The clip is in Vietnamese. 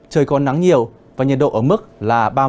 trời còn nắng nhiều và nhiệt độ ở mức là